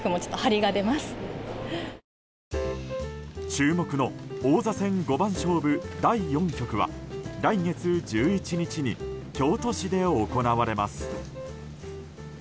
注目の王座戦五番勝負第４局は来月１１日に京都市で行われます。